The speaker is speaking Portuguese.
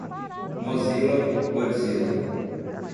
Mozilla, Godzilla.